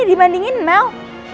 ini dibandingin mel